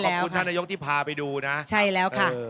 แล้วก็ต้องขอบคุณธนโยคที่พาไปดูนะครับใช่แล้วค่ะ